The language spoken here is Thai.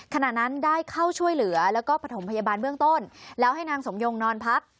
ขณะนั้นได้เข้าช่วยเหลือแล้วก็ประถมพยาบาลเบื้องต้นแล้วให้นางสมยงนอนพัก